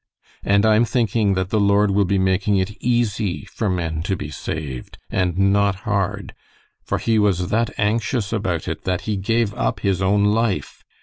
And I'm thinking that the Lord will be making it easy for men to be saved, and not hard, for He was that anxious about it that He gave up His own life.